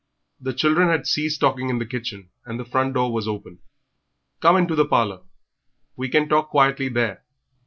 The children had ceased talking in the kitchen, and the front door was open. "Come into the parlour. We can talk quietly there....